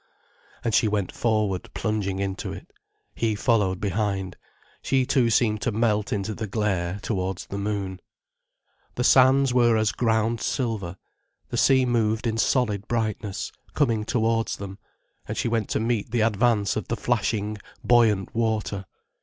And she went forward, plunging into it. He followed behind. She too seemed to melt into the glare, towards the moon. The sands were as ground silver, the sea moved in solid brightness, coming towards them, and she went to meet the advance of the flashing, buoyant water.